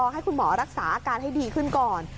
ให้คุณหมอรักษาอาการให้ดีขึ้นก่อน